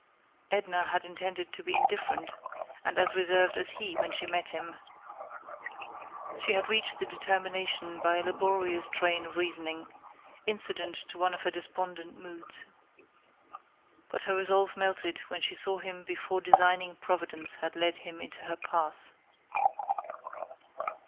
Edna had intended to be indifferent and as reserved as he when she met him; she had reached the determination by a laborious train of reasoning, incident to one of her despondent moods. But her resolve melted when she saw him before designing Providence had led him into her path.